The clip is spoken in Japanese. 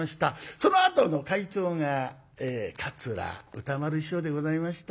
そのあとの会長が桂歌丸師匠でございました。